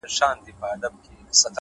چي د وجود، په هر يو رگ کي دي آباده کړمه،